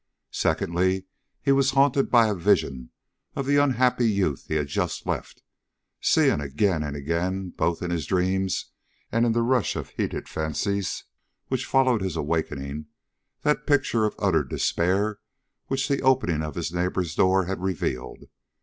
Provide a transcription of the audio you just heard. Secondly, he was haunted by a vision of the unhappy youth he had just left; seeing, again and again, both in his dreams and in the rush of heated fancies which followed his awaking, that picture of utter despair which the opening of his neighbor's door had revealed.